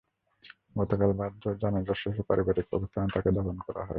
গতকাল বাদ জোহর জানাজা শেষে পারিবারিক কবরস্থানে তাঁকে দাফন করা হয়।